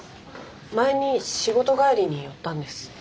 前に仕事帰りに寄ったんです。